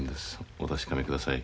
お確かめください。